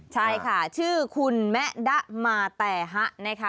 ใช่ค่ะชื่อคุณแมะดะมาแต่ฮะนะคะ